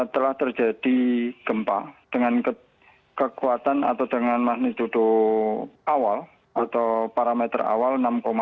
telah terjadi gempa dengan kekuatan atau dengan magnitudo awal atau parameter awal enam tujuh